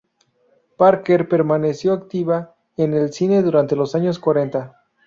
Parker permaneció activa en el cine durante los años cuarenta.